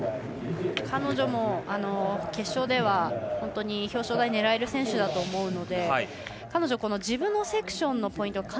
彼女も決勝では本当に表彰台狙える選手だと思うので彼女、自分のセクションのポイント